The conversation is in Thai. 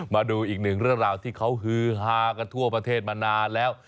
มาดูอีกหนึ่งเรื่องราวที่เขาฮือฮากันทั่วประเทศมานานแล้ว